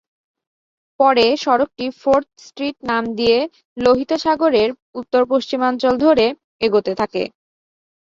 পরে সড়কটি Fourth Street নাম নিয়ে লোহিত সাগরের উত্তর-পশ্চিমাঞ্চল ধরে এগোতে থাকে।